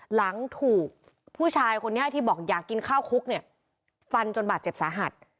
หลังถูกผู้ชายคนนี้ที่บอกอยากกินข้าวคุกเนี่ยฟันจนบาดเจ็บสาหัส